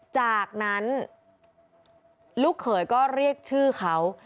จากนั้นลูกเขยก็เรียกชื่อเขา